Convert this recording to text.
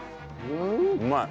うまい。